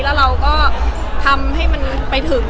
แล้วเราก็ทำให้มันไปถึง